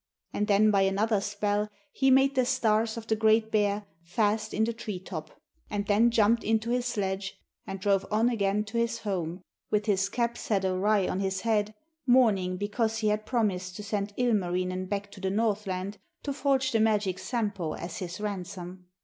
And then by another spell he made the stars of the Great Bear fast in the tree top, and then jumped into his sledge and drove on again to his home, with his cap set awry on his head, mourning because he had promised to send Ilmarinen back to the Northland, to forge the magic Sampo as his ransom.